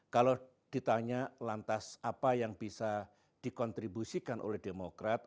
kalau ditanya lantas apa yang bisa dikontribusikan oleh demokrat